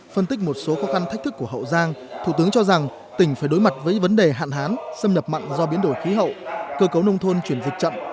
phân tích một số khó khăn thách thức của hậu giang thủ tướng cho rằng tỉnh phải đối mặt với vấn đề hạn hán xâm nhập mặn do biến đổi khí hậu cơ cấu nông thôn chuyển dịch chậm